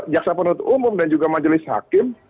jaksa penuntut umum dan juga majelis hakim